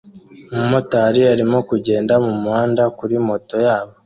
Umumotari arimo kugenda mumuhanda kuri moto yabo